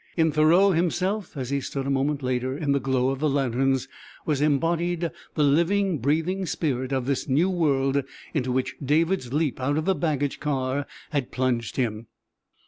In Thoreau himself, as he stood a moment later in the glow of the lanterns, was embodied the living, breathing spirit of this new world into which David's leap out of the baggage car had plunged him.